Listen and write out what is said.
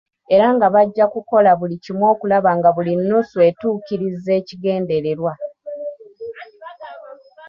Era nga bajja kukola buli kimu okulaba nga buli nnusu etuukiriza ekigendererwa.